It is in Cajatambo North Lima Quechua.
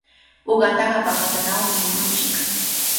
Uqataqa papatanawmi murunchik.